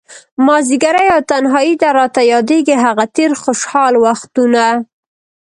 مازديګری او تنهائي ده، راته ياديږي هغه تير خوشحال وختونه